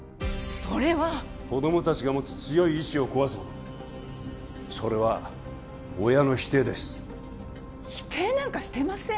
それは子供達が持つ強い意志を壊すものそれは親の否定です否定なんかしてません